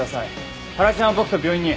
ハラちゃんは僕と病院に。